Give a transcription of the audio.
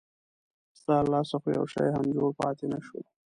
ستا له لاسه خو یو شی هم جوړ پاتې نه شو.